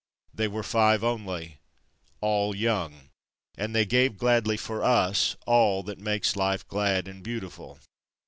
They were five only, all young, and they gave gladly for us all that makes life glad and beautiful.